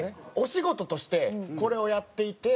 お仕事としてこれをやっていて。